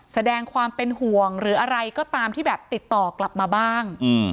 แสดงความเป็นห่วงหรืออะไรก็ตามที่แบบติดต่อกลับมาบ้าง